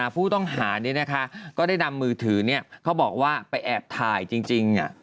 ผู้ต้องหาเนี่ยนะคะก็ได้ดำมือถือเนี่ยเขาบอกว่าไปแอบถ่ายจริงอะ